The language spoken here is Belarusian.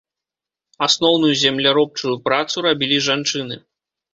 Асноўную земляробчую працу рабілі жанчыны.